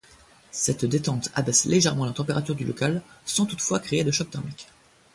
Cette détente abaisse légèrement la température du local sans toutefois créer de choc thermique.